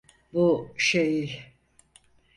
Bu, şey…